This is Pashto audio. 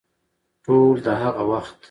ټول د هغه وخت